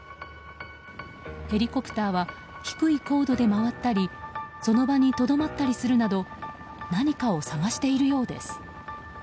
ヘリコプターは低い高度で回ったりその場にとどまったりするなど何かを探しているようです。